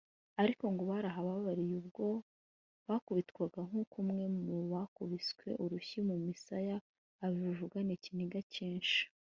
ariko ngo barahababariye ubwo bakubitwaga nk’uko umwe mu bakubiswe urushyi mu misaya abivuga n’ikiniga cyinshi